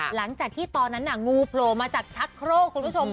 หลังจากที่ตอนนั้นน่ะงูโผล่มาจากชักโครกคุณผู้ชม